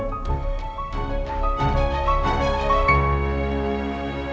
aku mau makan